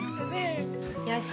よし。